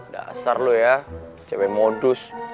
dasar loh ya cewek modus